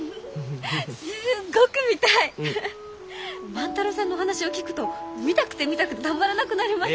万太郎さんのお話を聞くと見たくて見たくてたまらなくなります！